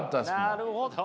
なるほど。